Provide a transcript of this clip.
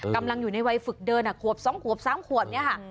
กำลังอยู่ในวัยฝึกเดินขวบ๒ขวบ๓ขวบเนี่ยค่ะ